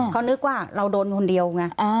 เขานึกว่าเราโดนคนเดียวไง